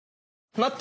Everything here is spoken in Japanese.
待って！